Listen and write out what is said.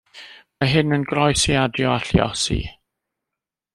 Mae hyn yn groes i adio a lluosi.